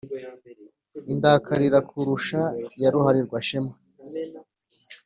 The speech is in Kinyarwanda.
Indakalira kuvusha ya ruhalirwashema